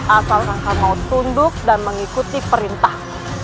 asalkan kau mau tunduk dan mengikuti perintah